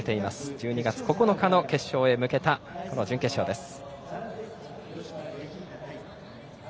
１２月９日の決勝に向けた準決勝です。